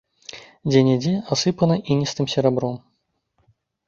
Дзе-нідзе асыпана іністым серабром.